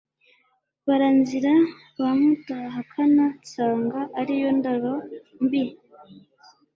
Barara-nzira ba Mudahakana nsanga ari yo ndaro mbi